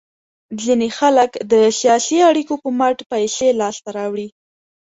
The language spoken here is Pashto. ځینې خلک د سیاسي اړیکو په مټ پیسې لاس ته راوړي.